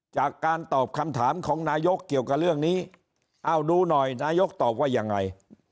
จากการตอบคำถามของนายกเกี่ยวกับเรื่องนี้เอาดูหน่อยนายกตอบว่ายังไง